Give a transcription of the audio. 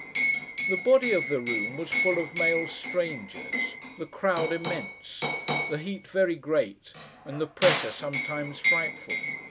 The body of the room was full of male strangers; the crowd immense; the heat very great; and the pressure sometimes frightful.